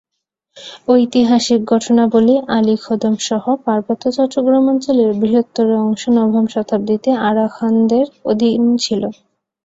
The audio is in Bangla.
ঐতিহাসিক ঘটনাবলি আলিকদমসহ পার্বত্য চট্টগ্রাম অঞ্চলের বৃহত্তর অংশ নবম শতাব্দীতে আরাকানদের অধীন ছিল।